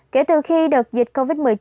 kể từ khi được dịch covid một mươi chín